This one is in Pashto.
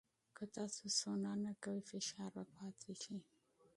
که تاسو سونا نه کوئ، فشار به پاتې شي.